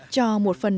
cho một phần nhớ